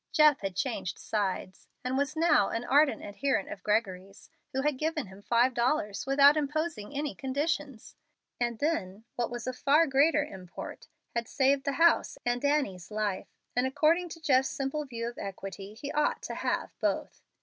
Jeff had changed sides, and was now an ardent adherent of Gregory's, who had given him five dollars without imposing any conditions; and then, what was of far greater import, had saved the house and Annie's life, and, according to Jeff's simple views of equity, he ought to have both.